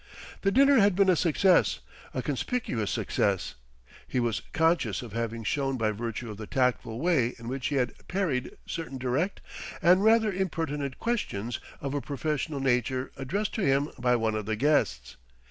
The dinner had been a success, a conspicuous success. He was conscious of having shone by virtue of the tactful way in which he had parried certain direct and rather impertinent questions of a professional nature addressed to him by one of the guests.